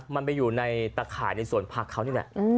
มันไปอยู่ในตะข่ายในสวนผักเขานี่แหละ